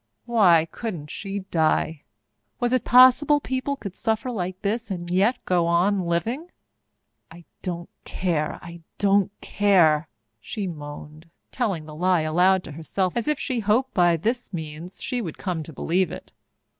Why couldn't she die? Was it possible people could suffer like this and yet go on living? "I don't care I don't care!" she moaned, telling the lie aloud to herself, as if she hoped that by this means she would come to believe it.